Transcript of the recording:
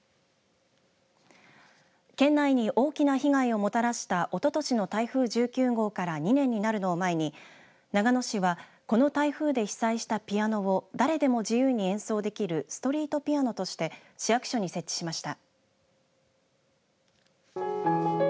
県内に大きな被害をもたらしたおととしの台風１９号から２年になるのを前に長野市は、この台風で被災したピアノを誰でも自由に演奏できるストリートピアノとして市役所に設置しました。